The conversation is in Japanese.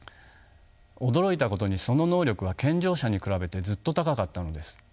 驚いたことにその能力は健常者に比べてずっと高かったのです。